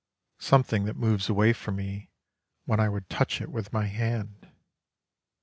Something that moves away from me when I would touch it with my hand.